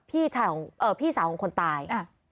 พี่สาวของคนตาย